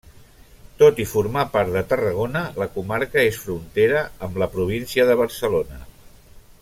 Tot i formar part de Tarragona, la comarca és frontera amb la província de Barcelona.